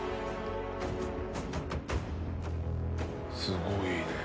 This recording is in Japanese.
すごいね。